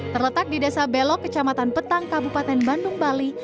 terletak di desa belok kecamatan petang kabupaten bandung bali